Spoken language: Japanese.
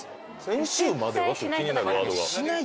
「先週までは」という気になるワードが。